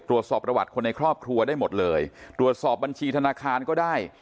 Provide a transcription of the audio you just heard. ตรวจสอบประวัติคนในครอบครัวได้หมดเลยตรวจสอบบัญชีธนาคารก็ได้